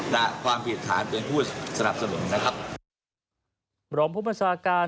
นะความผิดฐานทุนพู่สนับสนุนนะครับเบราบุภาษาการ